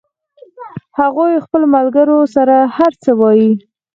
هغوی خپلو ملګرو سره هر څه وایي